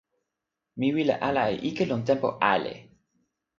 mi wile ala e ike lon tenpo ale!